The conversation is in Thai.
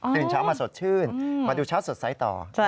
ตื่นเช้ามาสดชื่นมาดูเช้าสดใสต่อ